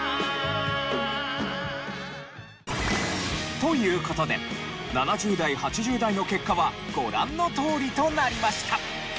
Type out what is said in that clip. という事で７０代８０代の結果はご覧のとおりとなりました。